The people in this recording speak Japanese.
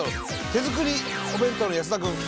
「手作りお弁当」の安田君。